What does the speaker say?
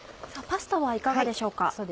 パスタはいかがでしょうか？